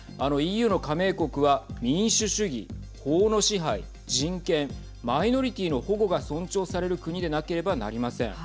ＥＵの加盟国は民主主義、法の支配、人権マイノリティーの保護が尊重される国でなければなりません。